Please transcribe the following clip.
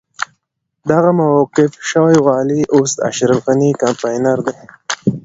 دغه موقوف شوی والي اوس د اشرف غني کمپاينر دی.